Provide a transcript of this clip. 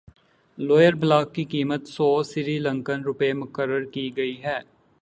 lower block کی قیمت سو سری لنکن روپے مقرر کی گئی ہے